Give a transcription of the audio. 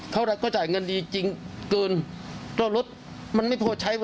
เขารักก็จ่ายเงินดีจริงกว่ารถมันไม่พอใช้